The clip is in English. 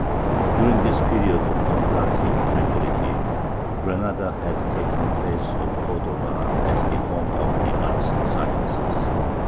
] During this period of comparative tranquillity, Granada had taken the place of Cordova as the home of the arts and sciences.